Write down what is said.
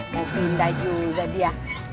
mau pindah juga dia